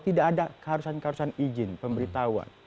tidak ada keharusan keharusan izin pemberitahuan